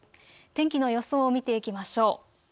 天気の予想を見ていきましょう。